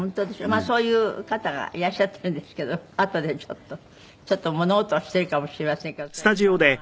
まあそういう方がいらっしゃっているんですけどあとでちょっとちょっと物音がしているかもしれませんがそれひ孫がなんか。